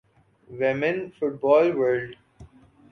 women فٹبال world